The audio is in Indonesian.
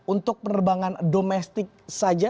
untuk penerbangan domestik saja